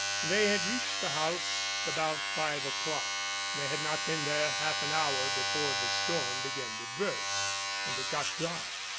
They had reached the house about 5 o'clock, and they had not been there half an hour before the storm began to burst, and it got dark.